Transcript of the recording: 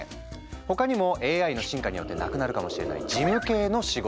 他にもＡＩの進化によってなくなるかもしれない事務系の仕事。